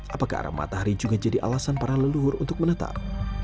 apakah arah matahari juga jadi alasan para leluhur untuk menetap